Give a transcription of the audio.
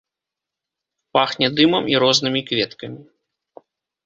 Пахне дымам і рознымі кветкамі.